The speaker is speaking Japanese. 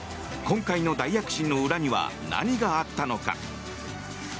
今回の大躍進の裏には何があったのか。